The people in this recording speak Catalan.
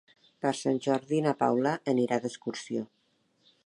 Per Sant Jordi na Paula anirà d'excursió.